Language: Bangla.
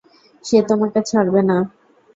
সে তোমাকে ছাড়বে না।